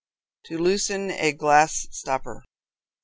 To Loosen a Glass Stopper.